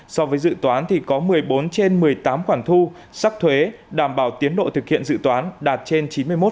so với dự toán thì có một mươi bốn trên một mươi tám khoản thu sắc thuế đảm bảo tiến độ thực hiện dự toán đạt trên chín mươi một